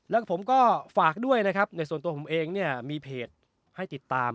แล้วก็ผมก็ฝากด้วยนะครับในส่วนตัวผมเองเนี่ยมีเพจให้ติดตาม